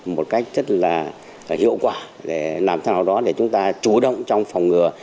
một cách rất là hiệu quả để làm thế nào đó để chúng ta chú động trong phòng ngừa